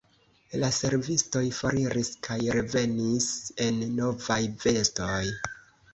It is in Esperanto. La servistoj foriris kaj revenis en novaj vestoj.